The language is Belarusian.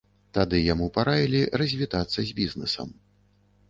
Тады яму параілі развітацца з бізнэсам.